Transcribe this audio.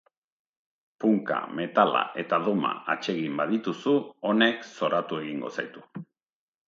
Punka, metala eta dooma atsegin badituzu, honek zoratu egingo zaitu.